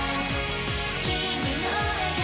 「君の笑顔